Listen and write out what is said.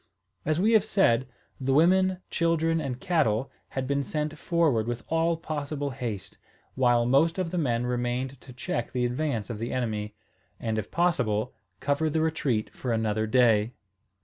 As we have said, the women, children, and cattle had been sent forward with all possible haste, while most of the men remained to check the advance of the enemy, and, if possible, cover the retreat for another day.